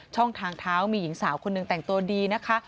ช่องทางเท้ามีหญิงสาวคนหนึ่งแต่งตัวดีนะคะ